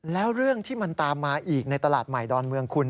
แล้วเรื่องที่มันตามมาอีกในตลาดใหม่ดอนเมืองคุณ